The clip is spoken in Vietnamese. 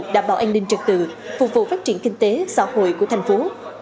đảm bảo an ninh trực tự phục vụ phát triển kinh tế xã hội của thành phố